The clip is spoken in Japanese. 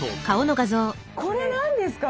これ何ですか？